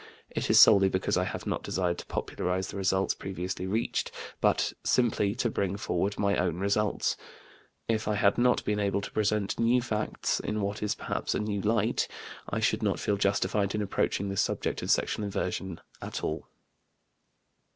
It is solely because I have not desired to popularize the results previously reached, but simply to bring forward my own results. If I had not been able to present new facts in what is perhaps a new light, I should not feel justified in approaching the subject of sexual inversion at all.